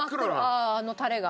あああのタレが。